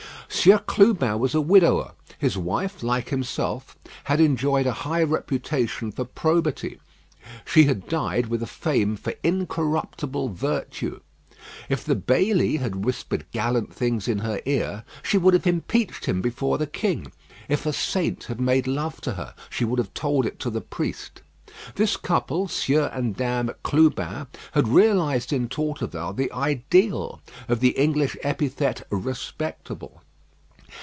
Sieur Clubin was a widower; his wife, like himself, had enjoyed a high reputation for probity. She had died with a fame for incorruptible virtue. If the bailli had whispered gallant things in her ear, she would have impeached him before the king. If a saint had made love to her, she would have told it to the priest. This couple, Sieur and Dame Clubin, had realised in Torteval the ideal of the English epithet "respectable."